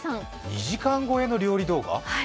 ２時間超えの料理動画？